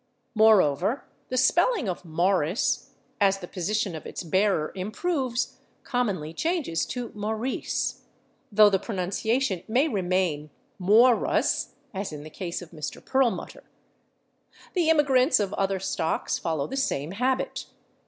Moreover, the spelling of /Morris/, as the position of its bearer improves, commonly changes to /Maurice/, though the pronunciation may remain /Mawruss/, as in the case of Mr. Perlmutter. The immigrants of other stocks follow the same habit.